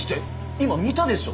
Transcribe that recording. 今見たでしょ？